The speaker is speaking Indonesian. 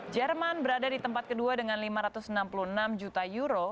jerman berada di tempat kedua dengan lima ratus enam puluh enam juta euro